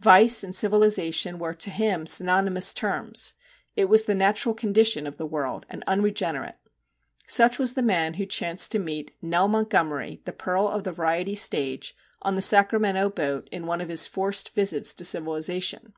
Vice and civilisation were to him synonymous terms it was the natural condition of the worldly and unregenerate. Such was the man who chanced to meet ' Nell Montgomery, the Pearl of the Variety Stage,' on the Sacramento boat in one of his forced visits to civilisation.